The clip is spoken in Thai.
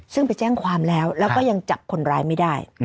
ซึ่งไปแจ้งความแล้วแล้วก็ยังจับคนร้ายไม่ได้